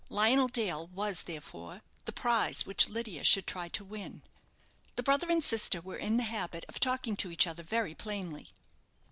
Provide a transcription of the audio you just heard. Lionel Dale was, therefore, the prize which Lydia should try to win. The brother and sister were in the habit of talking to each other very plainly.